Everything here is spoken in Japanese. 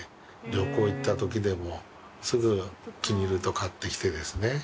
旅行行ったときでもすぐ気に入ると買ってきてですね